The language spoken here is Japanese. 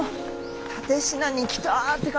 蓼科に来たって感じだな。